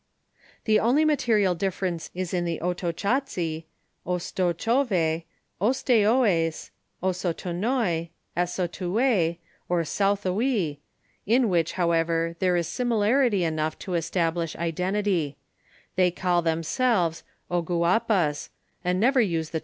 ♦^ Tho only uinlcrial difference is in the Atotchasi, OtsotchiMi^, Osotteoer, Ossotonoy, Assotou6, or Sothouis, in which, however, there is sinliarity enoi'^'U to establish idtMitity. Thoy call themselves Oguapas, and never use the